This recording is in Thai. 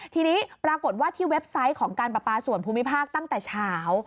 ทีนี้ปรากฏว่าที่เว็บไซต์ของการประปาส่วนภูมิภาคตั้งแต่เช้า